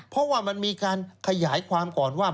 เพราะว่ามันมีการขยายความก่อนว่า